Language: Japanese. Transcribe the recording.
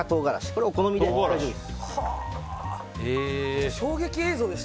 これは、お好みで大丈夫です。